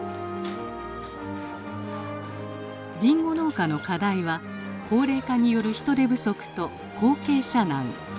リンゴ農家の課題は高齢化による人手不足と後継者難。